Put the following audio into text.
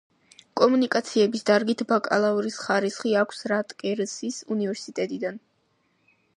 კომუნიკაციების დარგით ბაკალავრის ხარისხი აქვს რატგერსის უნივერსიტეტიდან.